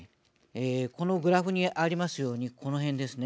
このグラフにありますようにこの辺ですね